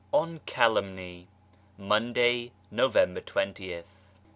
ON CALUMNY Monday, November zoth.